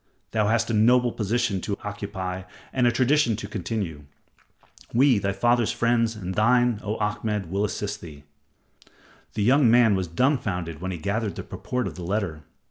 Thou hast a noble position to occupy and a tradition to continue. We, thy father's friends and thine, O Ahmed, will assist thee." The young man was dumbfounded when he gathered the purport of the letter.